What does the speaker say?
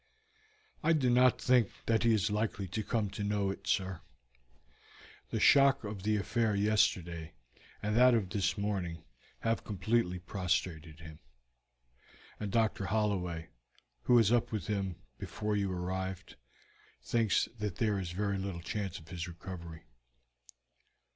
"I do not think that he is likely to come to know it, sir; the shock of the affair yesterday and that of this morning have completely prostrated him, and Dr. Holloway, who was up with him before you arrived, thinks that there is very little chance of his recovery."